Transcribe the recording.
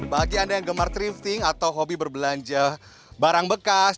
bagi anda yang gemar drifting atau hobi berbelanja barang bekas